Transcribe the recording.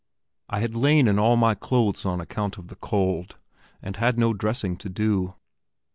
I had lain in all my clothes on account of the cold, and had no dressing to do.